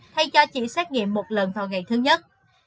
thay cho chỉ xét nghiệm một lần vào ngày thứ nhất